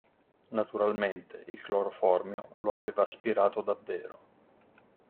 Naturalmente: il cloroformio lo aveva aspirato davvero.